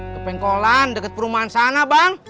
ke pengkolan dekat perumahan sana bang